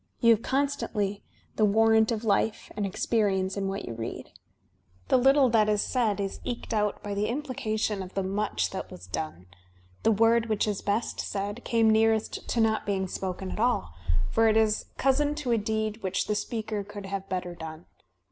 You have constantly the warrant of life and ex perience in what you read. The little that is said is eked out by the implication of the much that was done. •.• The word which is best said came nearest to not being spoken at all, for it is cousin to a deed which the speaker could have better done.